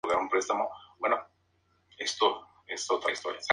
Finalmente, decidió emigrar hacia Nueva Zelanda para estudiar negocios.